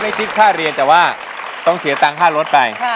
คิดค่าเรียนแต่ว่าต้องเสียตังค่ารถไป